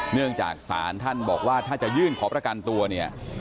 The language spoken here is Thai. เนื่องจากศาลท่านบอกว่าถ้าจะยื่นขอประกันตัวเนี่ย